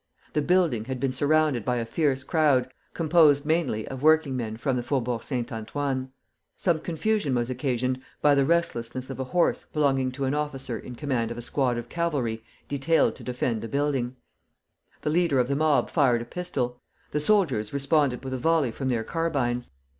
The building had been surrounded by a fierce crowd, composed mainly of working men from the Faubourg Saint Antoine. Some confusion was occasioned by the restlessness of a horse belonging to an officer in command of a squad of cavalry detailed to defend the building. The leader of the mob fired a pistol. The soldiers responded with a volley from their carbines.